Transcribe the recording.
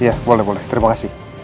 iya boleh boleh terima kasih